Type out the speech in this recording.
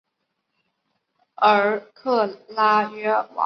而克拉约瓦也是布加勒斯特西边的主要商业城市。